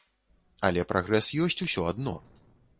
Але прагрэс ёсць усё адно.